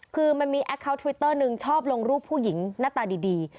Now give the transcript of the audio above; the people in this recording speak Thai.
คือมันมีแอคเคาน์ทวิตเตอร์หนึ่งชอบลงรูปผู้หญิงหน้าตาดี